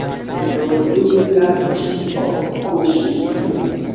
Sur ili ja ĉio kuŝis.